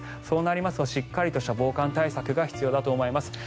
そうなりますとしっかりとした防寒対策が必要だと思います。